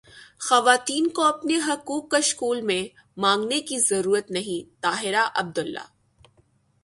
خواتین کو اپنے حقوق کشکول میں مانگنے کی ضرورت نہیں طاہرہ عبداللہ